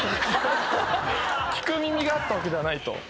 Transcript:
聞く耳があったわけではないと。